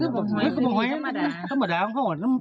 ปกติสมดาทำดาอันข้างขวัญ